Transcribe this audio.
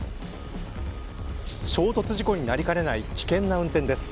衝突事故になりかねない危険な運転です。